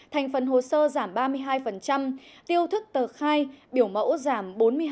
thành phần hồ sơ giảm ba mươi hai tiêu thức tờ khai biểu mẫu giảm bốn mươi hai